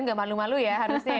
dan gak malu malu ya harusnya ya